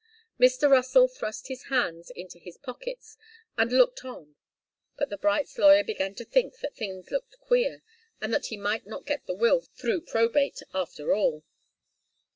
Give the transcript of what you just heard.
Mr. Russell thrust his hands into his pockets and looked on. But the Brights' lawyer began to think that things looked queer, and that he might not get the will through probate after all.